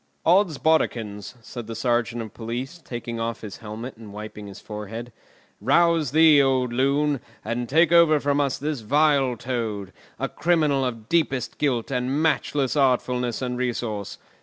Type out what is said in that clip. "Oddsbodikins!" said the sergeant of police, taking off his helmet and wiping his forehead. "Rouse thee, old loon, and take over from us this vile Toad, a criminal of deepest guilt and matchless artfulness and resource.